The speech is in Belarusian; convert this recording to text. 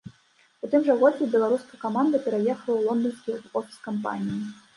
У тым жа годзе беларуская каманда пераехала ў лонданскі офіс кампаніі.